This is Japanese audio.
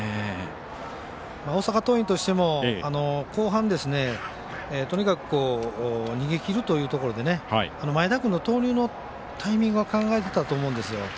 大阪桐蔭としても後半とにかく逃げきるというところで前田君の投入のタイミングは考えてたと思うんですよ。